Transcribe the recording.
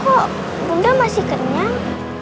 kok bunda masih kenyang